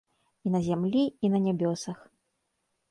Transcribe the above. І на зямлі і на нябёсах.